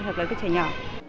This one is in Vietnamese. hoặc là các trẻ nhỏ